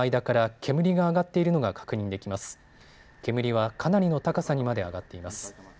煙はかなりの高さにまで上がっています。